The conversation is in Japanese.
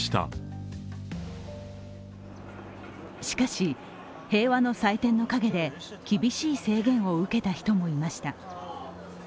しかし、平和の祭典の陰で、厳しい制限を受けた人もいました。